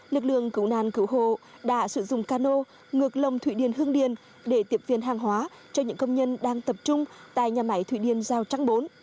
lực lượng cứu nàn cứu hộ đã sử dụng cano ngược lồng thủy điền hương điền để tiếp viên hàng hóa cho những công nhân đang tập trung tại nhà máy thủy điện giao trang bốn